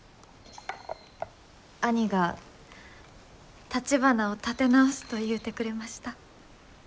兄がたちばなを建て直すと言うてくれました。